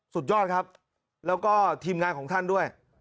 สุดยอดครับแล้วก็ทีมงานของท่านด้วย